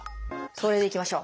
それでいきましょう。